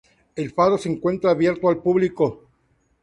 El faro se encuentra abierto al público.